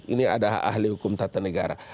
ini ada ahli hukum tata negara